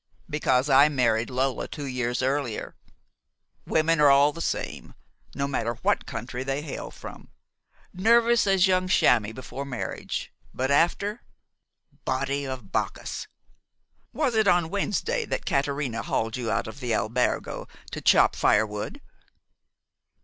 "Because I married Lola two years earlier. Women are all the same, no matter what country they hail from nervous as young chamois before marriage but after! Body of Bacchus! Was it on Wednesday that Caterina hauled you out of the albergo to chop firewood?"